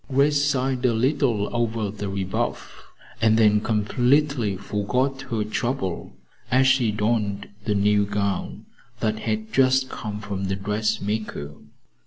Grace sighed a little over the rebuff, and then completely forgot her trouble as she donned the new gown that had just come from the dressmaker.